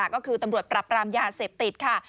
ก็คือตำรวจปรับปรามยาเสพติดค่ะ